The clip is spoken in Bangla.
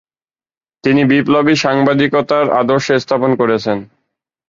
তিনি বিপ্লবী সাংবাদিকতার আদর্শ স্থাপন করেছেন।